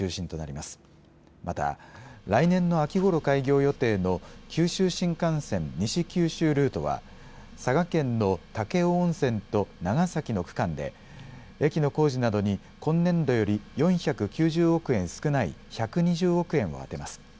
また来年の秋ごろ開業予定の九州新幹線、西九州ルートは佐賀県の武雄温泉と長崎の区間で駅の工事などに今年度より４９０億円少ない１２０億円を充てます。